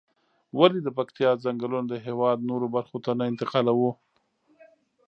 ولې د پکتيا ځنگلونه د هېواد نورو برخو ته نه انتقالوو؟